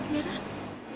kamu rhodes ga tahu